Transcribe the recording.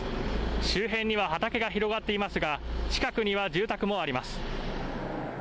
周辺には畑が広がっていますが近くには住宅もあります。